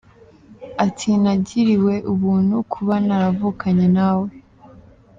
Ati “Nagiriwe ubuntu kuba naravukanye na we.